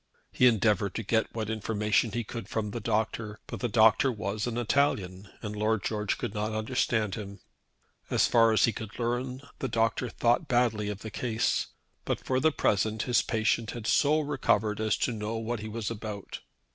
He endeavoured to get what information he could from the doctor; but the doctor was an Italian, and Lord George could not understand him. As far as he could learn the doctor thought badly of the case; but for the present his patient had so far recovered as to know what he was about.